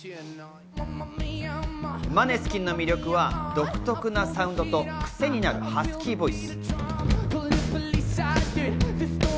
マネスキンの魅力は、独特なサウンドとクセになるハスキーボイス。